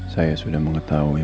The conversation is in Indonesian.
saya sudah mengetahui